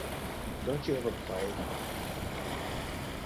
Don't you ever play?